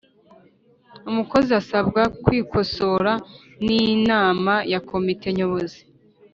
Umukozi asabwa kwikosora n’inama ya komite nyobozi